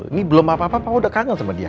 ini belum apa apa kamu udah kangen sama dia